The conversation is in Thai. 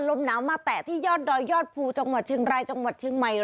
ลมหนาวมาแตะที่ยอดดอยยอดภูจังหวัดเชียงรายจังหวัดเชียงใหม่